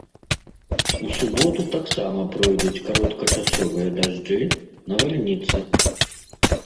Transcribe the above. У суботу таксама пройдуць кароткачасовыя дажджы, навальніцы.